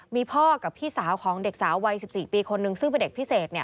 มีพ่อกับพี่สาวของเด็กสาววัย๑๔ปีคนนึงซึ่งเป็นเด็กพิเศษ